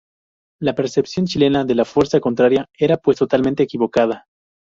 La percepción chilena de la fuerza contraria, era pues, totalmente equivocada.